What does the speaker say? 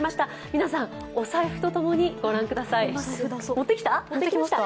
皆さんお財布とともに御覧ください。